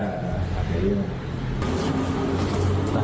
ที่อยู่กองพี่นายอยู่ก็เลย